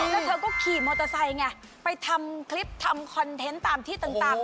แล้วเธอก็ขี่มอเตอร์ไซค์ไงไปทำคลิปทำคอนเทนต์ตามที่ต่าง